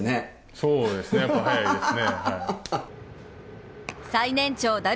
そうですね、やっぱ早いですね。